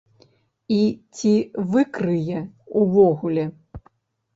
І ці выкрые, увогуле?